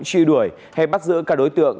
tri đuổi hay bắt giữ cả đối tượng